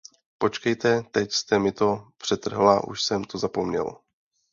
Počkejte, teď jste mi to přetrhla; už jsem to zapomněl.